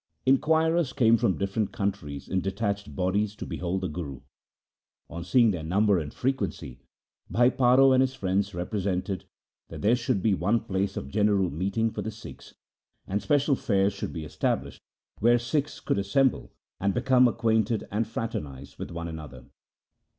Inquirers came from different countries in detached bodies to behold the Guru. On seeing their number and frequency, Bhai Paro and his friends represented that there should be one place of general meeting for the Sikhs, and special fairs should be established where Sikhs could assemble and become acquainted and fraternize with one another.